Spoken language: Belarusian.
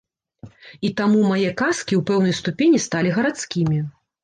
І таму мае казкі ў пэўнай ступені сталі гарадскімі.